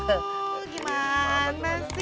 aduh gimana sih